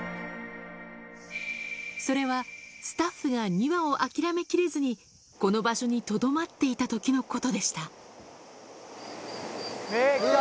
それは、スタッフが２羽を諦めきれずに、この場所にとどまっていたときのことでした。